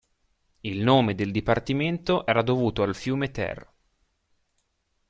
Il nome del dipartimento era dovuto al fiume Ter.